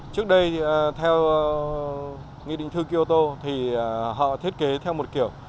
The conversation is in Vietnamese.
trước đây theo nghị định thư kyoto thì họ thiết kế theo một kiểu